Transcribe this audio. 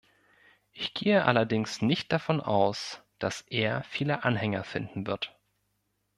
Ich gehe allerdings nicht davon aus, dass er viele Anhänger finden wird.